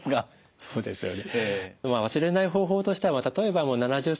そうですよね。